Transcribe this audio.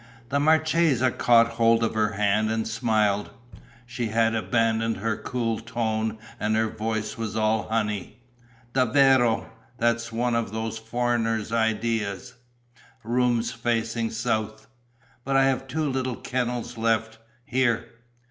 The marchesa caught hold of her hand and smiled. She had abandoned her cool tone and her voice was all honey: "Davvero, that's one of those foreigners' ideas: rooms facing south! But I have two little kennels left. Here...."